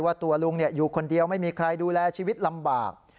ตัวลุงอยู่คนเดียวไม่มีใครดูแลชีวิตลำบาก